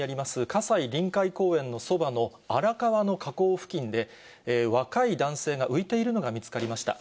葛西臨海公園のそばの荒川の河口付近で、若い男性が浮いているのが見つかりました。